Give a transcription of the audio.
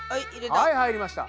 はい入りました。